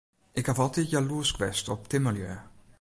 Ik haw altyd jaloersk west op timmerlju.